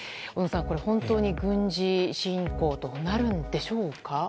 小野さん、本当に軍事侵攻となるんでしょうか？